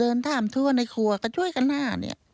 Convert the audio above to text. เดินถามทั่วในครัวก็ช่วยกันหาเนี่ย